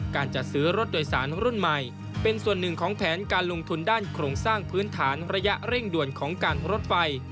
การจัดซื้อรถโดยสารรุ่นใหม่เป็นส่วนหนึ่งของแผนการลงทุนด้านโครงสร้างพื้นฐานระยะเร่งด่วนของการรถไฟ